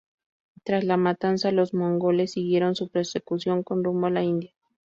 Tras la matanza, los mongoles siguieron su persecución con rumbo a la India.